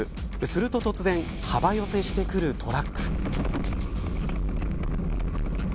すると突然幅寄せしてくるトラック。